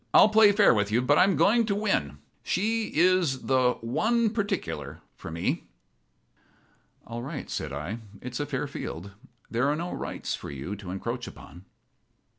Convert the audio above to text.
I'll play fair with you, but I'm going in to win. She is the 'one particular' for me." "All right," said I. "It's a fair field. There are no rights for you to encroach upon."